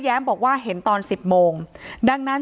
ที่มีข่าวเรื่องน้องหายตัว